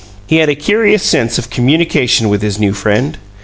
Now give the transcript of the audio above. He had a curious sense of communication with his new friend.